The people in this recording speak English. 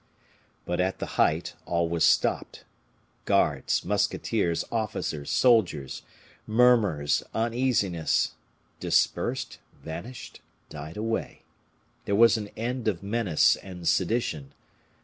But, at the height, all was stopped. Guards, musketeers, officers, soldiers, murmurs, uneasiness, dispersed, vanished, died away; there was an end of menace and sedition.